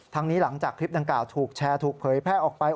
นี้หลังจากคลิปดังกล่าวถูกแชร์ถูกเผยแพร่ออกไป